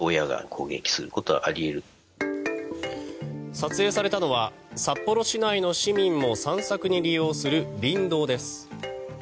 撮影されたのは札幌市内の市民も散策に利用する林道です。